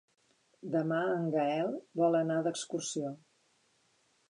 Demà en Gaël vol anar d'excursió.